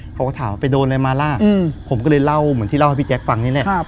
เขาก็ถามไปโดนอะไรมาล่าผมก็เลยเล่าเหมือนที่เล่าให้พี่แจ๊คฟังนี่แหละ